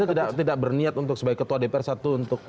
saya tidak berniat untuk sebagai ketua dpr satu untuk